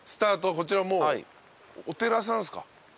こちらもうお寺さんっすか。